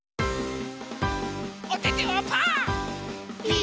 おててはパー。